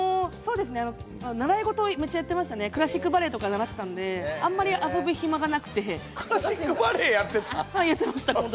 習い事をめっちゃやってましたね、クラシックバレエとかやってたんで、あんまり遊ぶ暇がなくて。